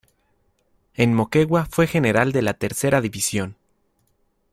En Moquegua fue General de la Tercera División.